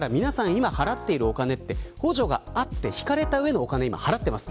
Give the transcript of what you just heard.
今、払っているお金は補助があって引かれた上でのお金を払っています。